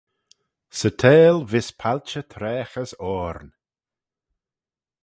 'Sy theihll vees palchey traagh as oarn